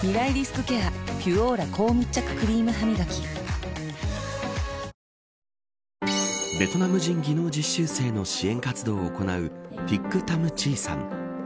クリームハミガキベトナム人技能実習生の支援活動を行うティック・タム・チーさん。